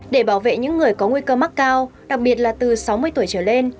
để bảo vệ những người có nguy cơ mắc cao đặc biệt là từ sáu mươi tuổi trở lên